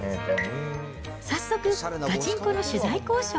早速、ガチンコの取材交渉。